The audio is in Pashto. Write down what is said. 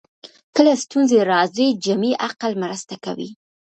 کله ستونزې راځي جمعي عقل مرسته کوي